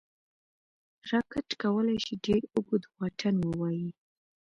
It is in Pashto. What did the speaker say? راکټ کولی شي ډېر اوږد واټن ووايي